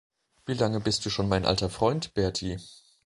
Wie lange bist du schon mein alter Freund, Bertie?